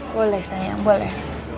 boleh sayang boleh